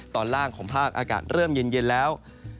ตอนล่างของภาคอากาศเริ่มเย็นแล้ว